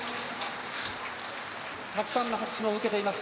たくさんの拍手を受けています。